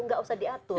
nggak usah diatur